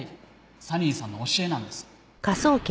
サニーさんの教えなんです。